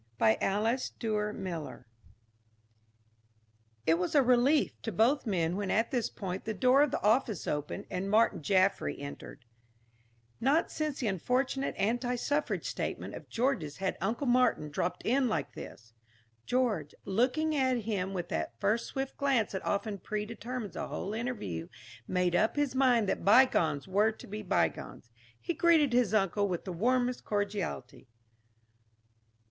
BY ALICE DUER MILLER It was a relief to both men when at this point the door of the office opened and Martin Jaffry entered. Not since the unfortunate anti suffrage statement of George's had Uncle Martin dropped in like this. George, looking at him with that first swift glance that often predetermines a whole interview, made up his mind that bygones were to be bygones. He greeted his uncle with the warmest cordiality.